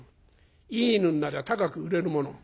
いい犬になりゃ高く売れるもの」。